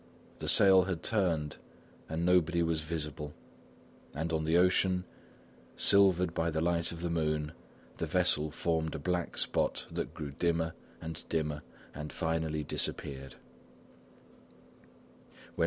The sail had turned and nobody was visible; and on the ocean, silvered by the light of the moon, the vessel formed a black spot that grew dimmer and dimmer, and finally disappeared.